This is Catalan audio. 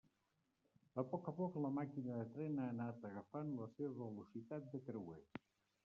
A poc a poc, la màquina de tren ha anat agafant la seva velocitat de creuer.